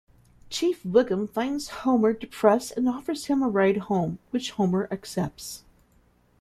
Chief Wiggum finds Homer depressed and offers him a ride home, which Homer accepts.